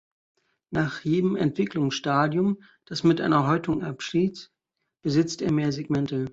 Nach jedem Entwicklungsstadium, das mit einer Häutung abschließt, besitzt er mehr Segmente.